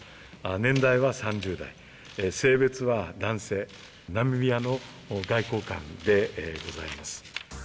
年代は３０代、性別は男性、ナミビアの外交官でございます。